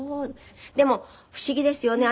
でも不思議ですよね。